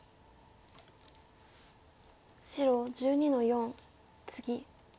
白１２の四ツギ。